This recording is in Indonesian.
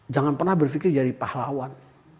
jangan pernah berpikir jadi pahlawan